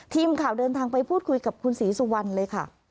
ทีมข่าวเดินทางไปพูดคุยกับคุณศรีสุวรรณเลยค่ะ